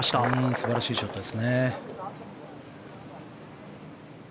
素晴らしいショットですね。